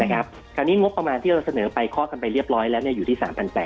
คราวนี้งบประมาณที่เราเสนอไปเคาะกันไปเรียบร้อยแล้วอยู่ที่๓๘๐๐